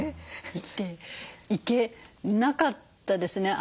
生きていけなかったですね。